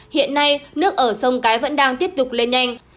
hiện nay nước ở sông cái vẫn đang tiếp tục lên nhanh